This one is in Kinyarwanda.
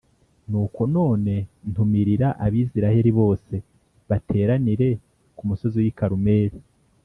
Nuko none ntumirira Abisirayeli bose bateranire ku musozi w’i Karumeli